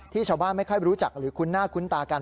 ชาวบ้านไม่ค่อยรู้จักหรือคุ้นหน้าคุ้นตากัน